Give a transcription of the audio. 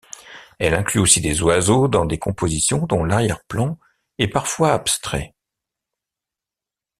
Elle inclut aussi des oiseaux dans des compositions dont l'arrière-plan est parfois abstrait.